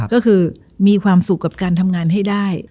ก็คือมีความสุขกับการทำงานให้ได้